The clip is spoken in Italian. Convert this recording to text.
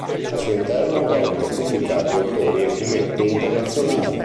Al suo interno vennero pubblicati autori e fumetti internazionali.